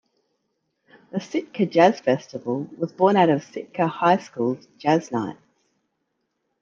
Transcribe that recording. The Sitka Jazz Festival was born out of Sitka High School's jazz nights.